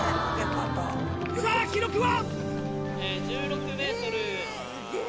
さぁ記録は？